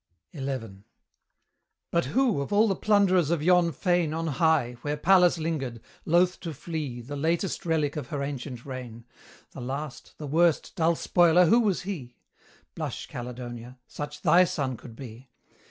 XI. But who, of all the plunderers of yon fane On high, where Pallas lingered, loth to flee The latest relic of her ancient reign The last, the worst, dull spoiler, who was he? Blush, Caledonia! such thy son could be!